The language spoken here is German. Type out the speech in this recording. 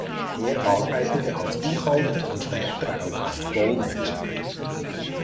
Er arbeitete als Buchhalter und später auch als Dolmetscher.